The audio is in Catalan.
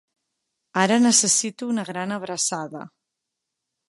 Ara necessito una gran abraçada.